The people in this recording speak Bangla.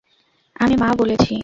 আমি মা বলেছি।